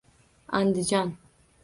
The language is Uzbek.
Andijon